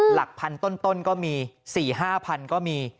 หลักพันธุ์ต้นก็มี๔๕พันธุ์ก็มี